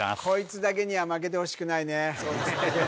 こいつだけには負けてほしくないね